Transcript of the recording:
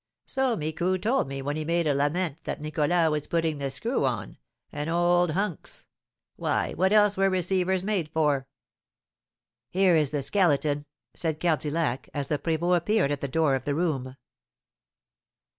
"So Micou told me when he made a lament that Nicholas was putting the screw on an old hunks! Why, what else were receivers made for?" "Here is the Skeleton," said Cardillac, as the prévôt appeared at the door of the room.